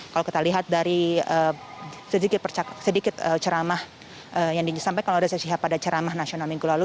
kalau kita lihat dari sedikit ceramah yang disampaikan oleh rizik syihab pada ceramah nasional minggu lalu